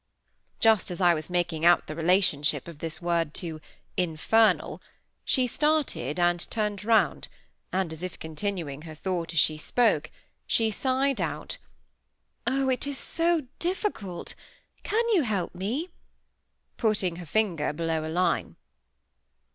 Just as I was making out the relationship of this word to "infernal", she started and turned round, and, as if continuing her thought as she spoke, she sighed out,— "Oh! it is so difficult! Can you help me?" putting her finger below a line.